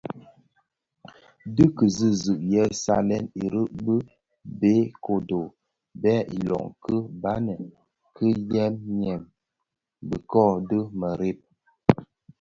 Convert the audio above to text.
Dhi ki zizig yè salèn irig bi bë kodo bë ilom ki baňi kè nyèn nyèn (bighök dhi mereb).